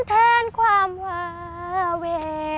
แทนความวาเว